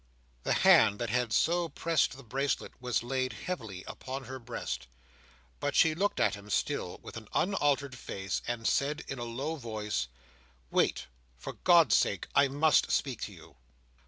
The hand that had so pressed the bracelet was laid heavily upon her breast, but she looked at him still, with an unaltered face, and said in a low voice: "Wait! For God's sake! I must speak to you."